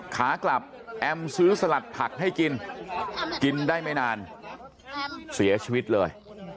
ขากลับแอมซื้อสลัดผักให้กินกินได้ไม่นานเสียชีวิตเลย